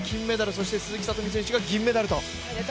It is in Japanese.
そして鈴木聡美選手が銀メダルと！